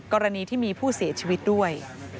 กรณีที่มีผู้เสียชีวิตด้วย